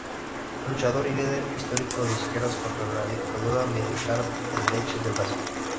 Luchador y líder histórico de izquierdas contra la dictadura militar de derechas de Brasil.